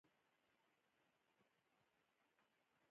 بې مسؤلیته لګښت راپور ورکړي.